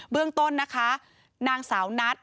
เบื้องต้นนางสาวนัด